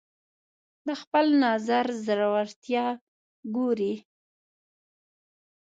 د خپل نظر زورورتیا ګوري